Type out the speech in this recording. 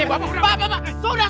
eh bapak bapak bapak